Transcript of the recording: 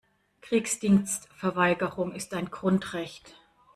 Kriegsdienstverweigerung ist ein Grundrecht.